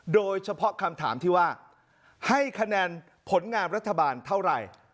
โดยเฉพาะคำถามที่ว่าให้คะแนนผลงานรัฐบาลเท่าไหร่